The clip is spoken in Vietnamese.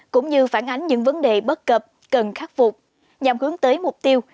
cũng như phản ánh những vấn đề bất cập cần khắc phục nhằm hướng tới mục tiêu